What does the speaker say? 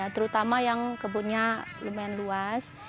terutama yang kebunnya lumayan luas